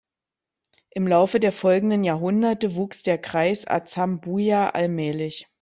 Im Laufe der folgenden Jahrhunderte wuchs der Kreis Azambuja allmählich.